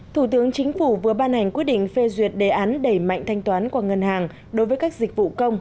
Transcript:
thủ tướng chính phủ vừa ban hành quyết định phê duyệt đề án đẩy mạnh thanh toán qua ngân hàng đối với các dịch vụ công